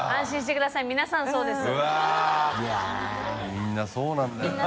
みんなそうなんだよな。